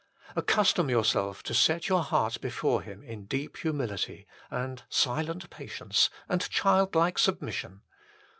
Accustom yourself to set your heart before Him in deep humility, and silent patience, and childlike submission.